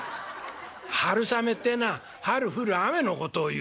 春雨ってえのは春降る雨のことをいうんだ」。